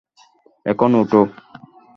এখন, ওঠো।